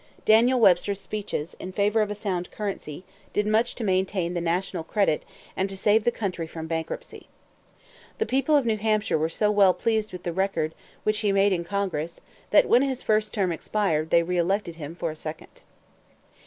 Daniel Webster's speeches, in favor of a sound currency, did much to maintain the national credit and to save the country from bankruptcy. The people of New Hampshire were so well pleased with the record which he made in Congress that, when his first term expired, they re elected him for a second.